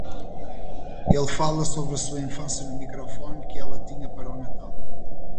Ele fala sobre sua infância no microfone que ela tinha para o Natal.